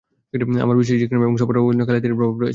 আমার বিশ্বাস, ইকরামা এবং সফওয়ানের উপর খালিদেরই প্রভাব রয়েছে।